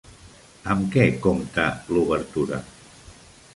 Amb què compta l'obertura?